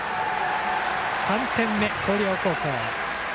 ３点目、広陵高校。